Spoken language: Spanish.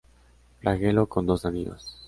Flagelo con dos anillos.